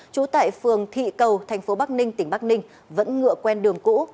trú tại phường thị cầu thành phố bắc ninh tỉnh bắc ninh vẫn ngựa quen đường cũ